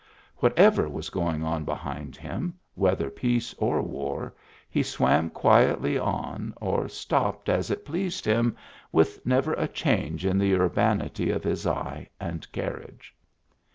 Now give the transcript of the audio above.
Whatever was going on behind him, whether peace or war, he swam quietly on or stopped as it pleased him, with never a change in the urbanity of his eye and carriage.